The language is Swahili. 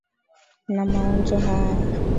Na maonjo haya.